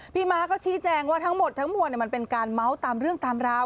ม้าก็ชี้แจงว่าทั้งหมดทั้งมวลมันเป็นการเมาส์ตามเรื่องตามราว